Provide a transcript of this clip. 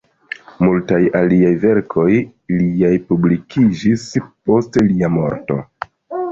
Multaj aliaj verkoj liaj publikiĝis post lia morto.